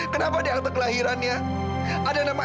kenapa di angka kelahirannya ada nama fnd bukan nama aku